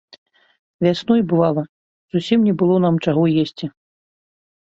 Вясной, бывала, зусім не было нам чаго есці.